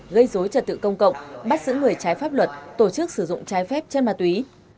gây dối trật tự công cộng bắt sử người trái pháp luật tổ chức sử dụng trái phép trên mặt túy